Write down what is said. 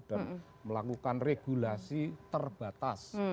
dan melakukan regulasi terbatas